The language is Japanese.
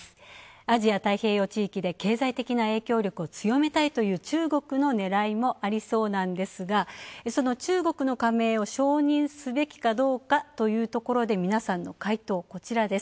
アジア太平洋地域で経済的な影響力を強めたいという中国のねらいもありそうなんですがその中国の加盟を承認すべきかどうかというところで皆さんの回答、こちらです。